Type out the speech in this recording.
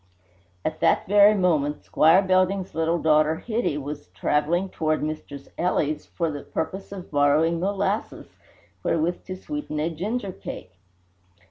] At that very moment Squire Belding's little daughter Hitty was travelling toward Mistress Ely's for the purpose of borrowing molasses wherewith to sweeten a ginger cake.